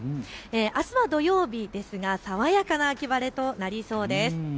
あすは土曜日ですが爽やかな秋晴れとなりそうです。